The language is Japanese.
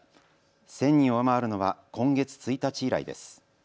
１０００人を回るのは今月１日以来です。